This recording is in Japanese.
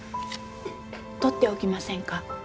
取っておきませんか？